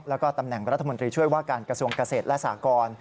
แล้วก็ตำแหน่งรัฐมนตรีช่วยว่าการกระทรวงเกษตรและสากร